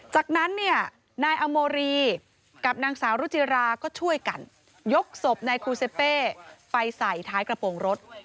จากนั้นเนี่ยนายอโมรีกับนางสาวรุจิราก็ช่วยกันยกศพนายคูเซเป้ไปใส่ท้ายกระโปรงรถ